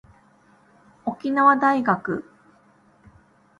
沖縄大学